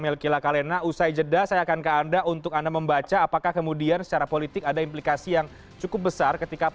ini menjadi undang undang yang disepakati